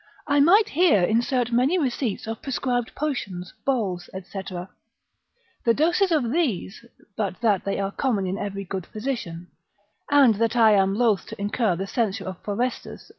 I might here insert many receipts of prescribed potions, boles, &c. The doses of these, but that they are common in every good physician, and that I am loath to incur the censure of Forestus, lib.